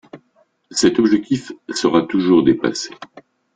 Cet objectif sera toujours dépassé.